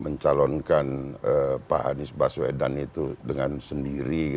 mencalonkan pak anies baswedan itu dengan sendiri